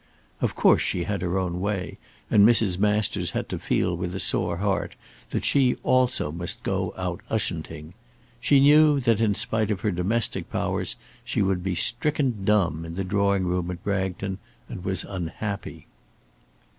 Of course she had her own way, and Mrs. Masters had to feel with a sore heart that she also must go out Ushanting. She knew, that in spite of her domestic powers, she would be stricken dumb in the drawing room at Bragton and was unhappy.